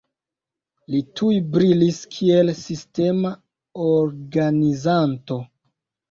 Li tuj brilis kiel sistema organizanto.